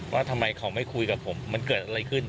ว่าทำไมเขาไม่คุยกับผมมันเกิดอะไรขึ้น